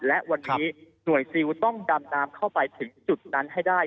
และวันนี้หน่วยซิลต้องดำน้ำเข้าไปถึงจุดนั้นให้ได้